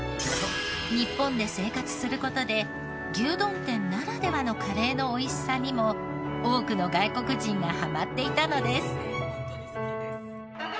日本で生活する事で牛丼店ならではのカレーの美味しさにも多くの外国人がハマっていたのです。